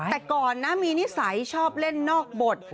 แต่ก่อนนะมีนิสัยชอบเล่นนอกบท